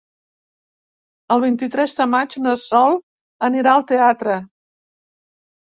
El vint-i-tres de maig na Sol anirà al teatre.